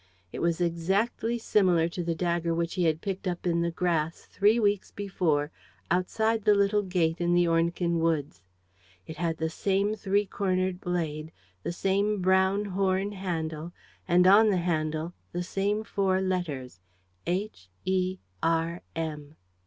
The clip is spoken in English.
It was exactly similar to the dagger which he had picked up in the grass, three weeks before, outside the little gate in the Ornequin woods. It had the same three cornered blade, the same brown horn handle and, on the handle, the same four letters: H, E, R, M.